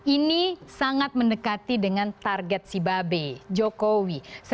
ini sangat mendekati dengan target si babe jokowi